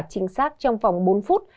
chính xác trong vòng bốn phút